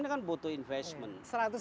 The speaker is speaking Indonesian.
ini kan butuh investment